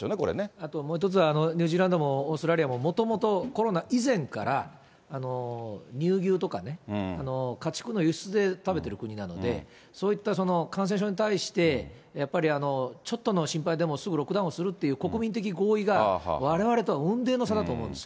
あともう１つはニュージーランドもオーストラリアも、もともとコロナ以前から、乳牛とか家畜の輸出で食べてる国なんで、そういった感染症に対して、やっぱりちょっとの心配でもすぐロックダウンするという国民的合意がわれわれとは雲泥の差だと思うんです。